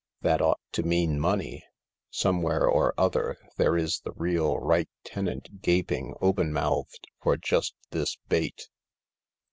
That ought to mean money. Some where or other there is the real right tenant gaping open mouthed for just this bait."